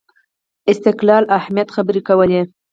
استقلال اهمیت خبرې کولې